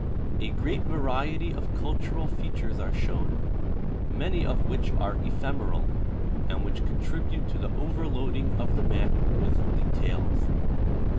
A great variety of cultural features are shown, many of which are ephemeral, and which contribute to the overloading of the map with details.